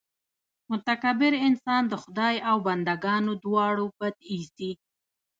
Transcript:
متکبر انسان د خدای او بندګانو دواړو بد اېسي.